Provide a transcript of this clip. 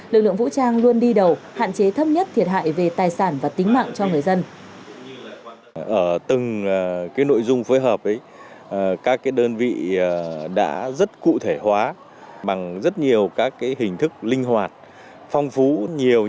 lực lượng vũ trang luôn đi đầu hạn chế thấp nhất thiệt hại về tài sản và tính mạng cho người dân